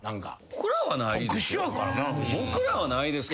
僕らはないですよ。